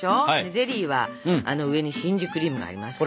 ゼリーはあの上にしんじゅクリームがありますから。